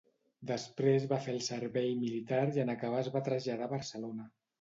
Després va fer el servei militar i en acabar es va traslladar a Barcelona.